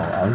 ở đất nước